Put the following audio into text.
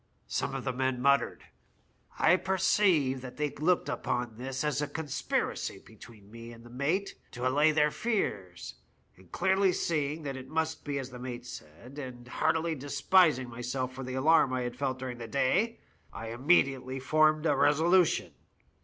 " Some of the men muttered. I perceived that they looked upon this as a conspiracy between me and the mate to allay their fears, and clearly seeing that it must be as the mate said, and heartily despising myself for the alarm I had felt throughout the day, I immediately formed a resolution.